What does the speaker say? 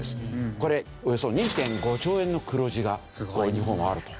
これおよそ２．５兆円の黒字が日本はあると。